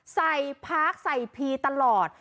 ใส่พักใส่พีตลอด